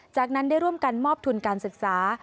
จากนั้นได้ร่วมกันมอบทุนการศึกษา